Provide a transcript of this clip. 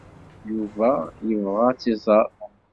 Yuba yebɣa ad tt-iẓer.